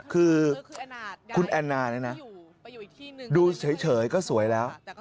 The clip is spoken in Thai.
คือคุณแอนนาเนี่ยนะดูเฉยก็สวยแล้ว